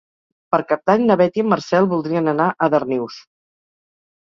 Per Cap d'Any na Beth i en Marcel voldrien anar a Darnius.